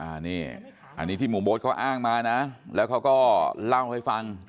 อันนี้อันนี้ที่หมู่โบ๊ทเขาอ้างมานะแล้วเขาก็เล่าให้ฟัง